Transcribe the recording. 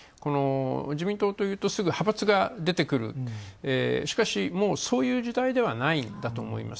自民党というとすぐ派閥が出てくる、しかし、そういう時代ではないんだと思います。